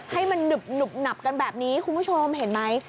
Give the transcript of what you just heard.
ให้มันหนึบหนับกันแบบนี้คุณผู้ชมเห็นไหม